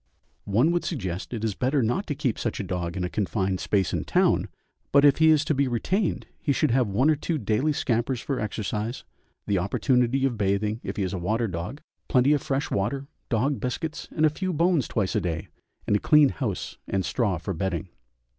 One would suggest, it is better not to keep such a dog in a confined space in town, but if he is to be retained he should have one or two daily scampers for exercise, the opportunity of bathing, if he is a water dog, plenty of fresh water, dog biscuits, and a few bones twice a day, and a clean house and straw for bedding.